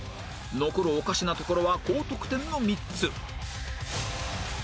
残るおかしなところは高得点の３つ